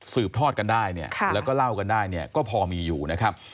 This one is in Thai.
สืบทอดกันได้แล้วก็เล่ากันได้ก็พอมีอยู่นะครับ